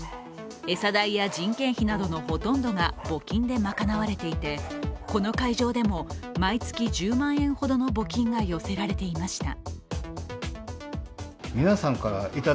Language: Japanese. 餌代や人件費などのほとんどが募金で賄われていてこの会場でも毎月１０万円ほどの募金が寄せられていました。